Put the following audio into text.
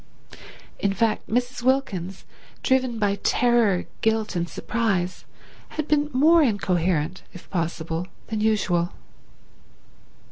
In fact Mrs. Wilkins, driven by terror, guilt and surprise, had been more incoherent if possible than usual.